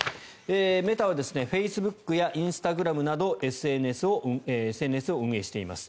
メタはフェイスブックやインスタグラムなどＳＮＳを運営しています。